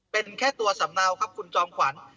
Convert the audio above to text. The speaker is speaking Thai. เป็นแค่ตัวสำเนาครับคุณจอมขวัญ